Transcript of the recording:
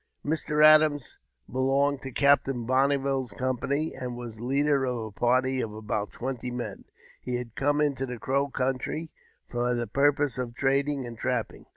Mr. Adams belonged to Captain Bonneville's company, and. was leader of a party of about twenty men ; he had come into the Crow country for the purpose of trading and trapping.